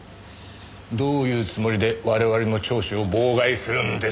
どういうつもりで我々の聴取を妨害するんです？